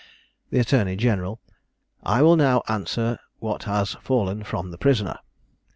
The attorney general "I will now answer what has fallen from the prisoner.